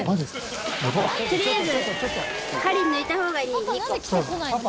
とりあえず針抜いた方がいい２個。